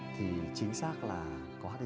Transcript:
thì chính xác là có hiv rồi